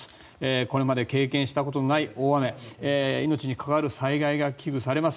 これまで経験したことのない大雨命に関わる災害が危惧されます。